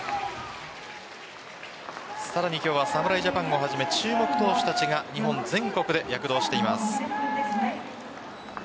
さらに今日は侍ＪＡＰＡＮをはじめ注目投手たちが日本全国で躍動しています。